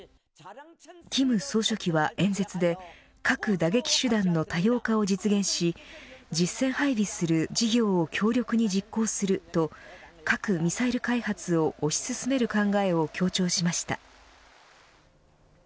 金総書記は演説で核打撃手段の多様化を実現し実戦配備する事業を強力に実行すると核・ミサイル開発を推し進める考えを強調しました。